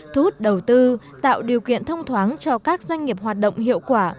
thu hút đầu tư tạo điều kiện thông thoáng cho các doanh nghiệp hoạt động hiệu quả